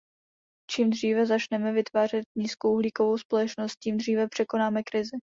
Čím dříve začneme vytvářet nízkouhlíkovou společnost, tím dříve překonáme krizi.